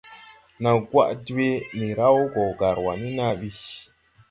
Naw gwaʼ dwee, ndi raw go Garua ni na bi.